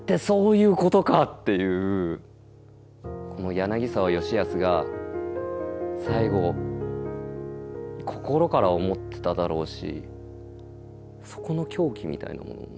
この柳沢吉保が最後心から思ってただろうしそこの狂気みたいなものも。